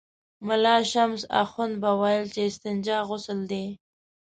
ملا شمس اخند به ویل چې استنجا غسل دی.